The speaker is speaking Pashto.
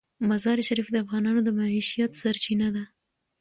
مزارشریف د افغانانو د معیشت سرچینه ده.